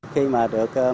khi mà được